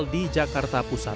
masjid istiqlal di jakarta pusat